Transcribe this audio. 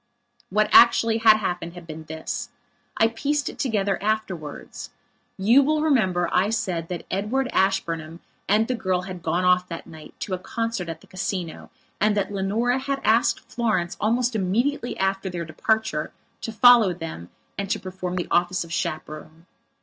What had actually happened had been this. I pieced it together afterwards. You will remember I said that Edward Ashburnham and the girl had gone off, that night, to a concert at the Casino and that Leonora had asked Florence, almost immediately after their departure, to follow them and to perform the office of chaperone.